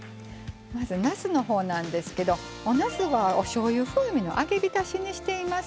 なすのほうなんですけどおなすは、おしょうゆ風味の揚げびたしにしています。